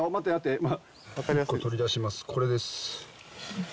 これです。